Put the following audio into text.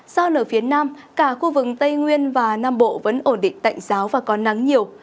do nở phía nam cả khu vực tây nguyên và nam bộ vẫn ổn định tạnh giáo và có nắng nhiều